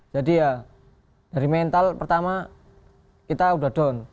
ya dari mental pertama kita udah down